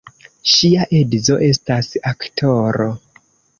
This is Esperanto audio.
Ŝia edzo estas aktoro.